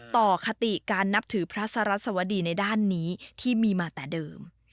คติการนับถือพระสรัสวดีในด้านนี้ที่มีมาแต่เดิม